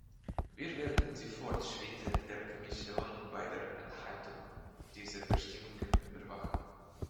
Wir werden die Fortschritte der Kommission bei der Einhaltung dieser Bestimmungen überwachen.